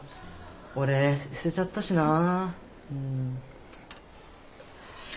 俺捨てちゃったしなあ。